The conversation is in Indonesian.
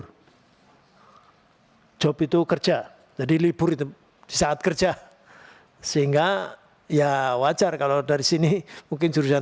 hai job itu kerja jadi libur itu saat kerja sehingga ya wajar kalau dari sini mungkin jurusan